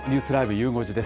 ゆう５時です。